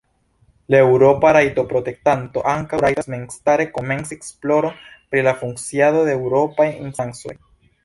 La Eŭropa Rajtoprotektanto ankaŭ rajtas memstare komenci esploron pri la funkciado de Eŭropaj instancoj.